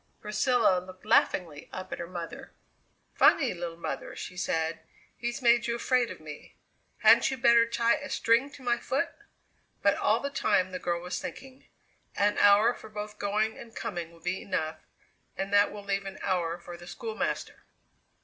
Priscilla looked laughingly up at her mother, "Funny, little mother," she said; "he's made you afraid of me. Hadn't you better tie a string to my foot?" But all the time the girl was thinking. "An hour for both going and coming will be enough, and that will leave an hour for the schoolmaster."